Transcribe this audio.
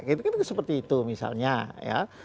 itu kan seperti itu misalnya ya